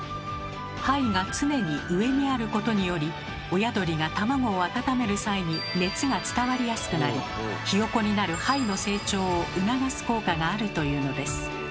胚が常に上にあることにより親鳥が卵を温める際に熱が伝わりやすくなりヒヨコになる胚の成長を促す効果があるというのです。